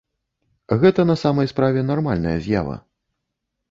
Гэта на самай справе нармальная з'ява.